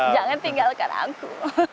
jangan tinggalkan aku